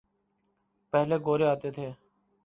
پہلے گورے آتے تھے۔